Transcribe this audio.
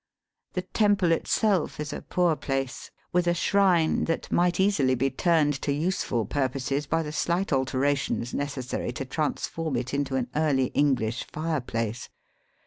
The temple itself is a poor place, with a shrine that might easily be turned to useful purposes by the slight alterations necessary to transform it into an " Early English " fireplace.